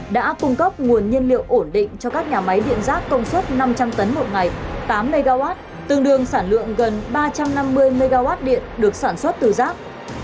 đã cung cấp nguồn nhân liệu ổn định cho các nhà máy điện rác công suất năm trăm linh tấn một ngày tám mw tương đương sản lượng gần ba trăm năm mươi mw điện được sản xuất từ rác